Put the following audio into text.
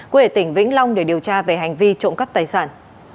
quê tỉnh vĩnh long để điều tra về hành vi trộm cắt tài sản